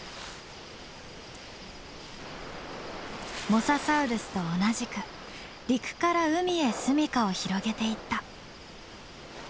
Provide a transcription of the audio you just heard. モササウルスと同じく陸から海へ住みかを広げていった。